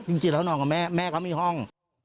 จริงแล้วนอนกับแม่แม่เขามีห้อง